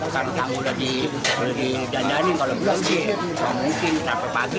karena tanggulnya di dandani kalau belum segini